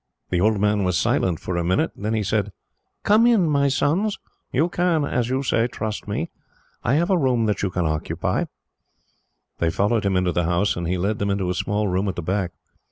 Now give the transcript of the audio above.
The old man was silent for a minute; then he said: "Come in, my sons. You can, as you say, trust me. I have a room that you can occupy." They followed him into the house, and he led them into a small room at the back.